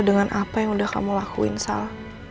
dengan apa yang udah kamu lakuin sal